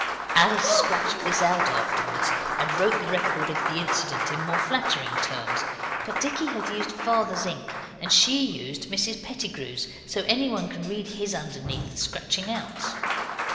Alice scratched this out afterwards and wrote the record of the incident in more flattering terms. But Dicky had used Father's ink, and she used Mrs Pettigrew's, so anyone can read his underneath the scratching outs.